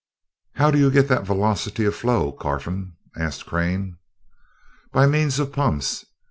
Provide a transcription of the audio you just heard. "How do you get that velocity of flow, Carfon?" asked Crane. "By means of pumps.